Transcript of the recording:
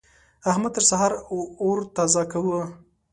احمد تر سهار اور تازه کاوو.